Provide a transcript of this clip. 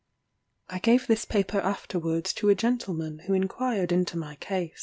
I gave this paper afterwards to a gentleman who inquired into my case.